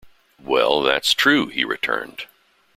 "Well, that's true," he returned.